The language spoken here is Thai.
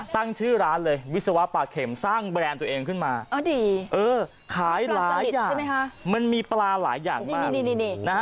ตั้งชื่อร้านเลยวิศวะปลาเข็มสร้างแบรนด์ตัวเองขึ้นมาขายหลายอย่างใช่ไหมคะมันมีปลาหลายอย่าง